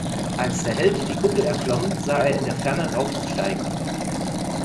Als der Held die Kuppel erklomm, sah er in der Ferne Rauch aufsteigen.